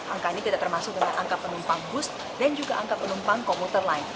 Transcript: angka ini tidak termasuk dengan angka penumpang bus dan juga angka penumpang komuter lain